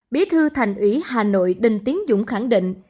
bí thư thành ủy hà nội đinh tiến dũng khẳng định